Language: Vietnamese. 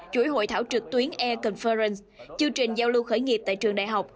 chuỗi hội thảo trực tuyến e conference chương trình giao lưu khởi nghiệp tại trường đại học